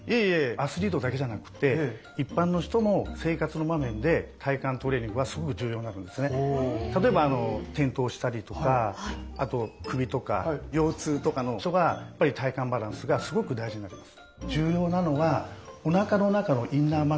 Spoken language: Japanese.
アスリートだけじゃなくて例えば転倒したりとかあと首とか腰痛とかの人が体幹バランスがすごく大事になります。